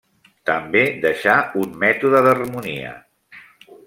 També deixà un mètode d'harmonia.